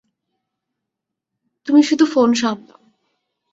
তুমি শুধু ফোন সামলাও।